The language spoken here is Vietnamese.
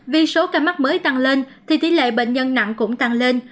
vì số ca mắc mới tăng lên thì tỷ lệ bệnh nhân nặng cũng tăng lên